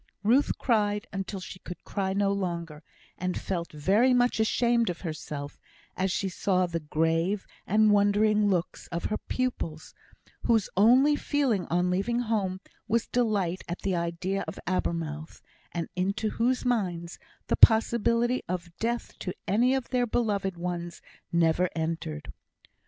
Ruth cried until she could cry no longer, and felt very much ashamed of herself as she saw the grave and wondering looks of her pupils, whose only feeling on leaving home was delight at the idea of Abermouth, and into whose minds the possibility of death to any of their beloved ones never entered.